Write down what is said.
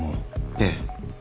ええ。